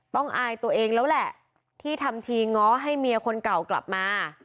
อายตัวเองแล้วแหละที่ทำทีง้อให้เมียคนเก่ากลับมา